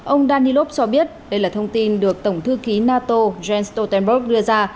ông danilovs cho biết đây là thông tin được tổng thư ký nato jens stoltenberg đưa ra